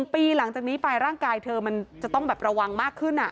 ๑ปีหลังจากนี้ไปร่างกายเธอมันจะต้องแบบระวังมากขึ้น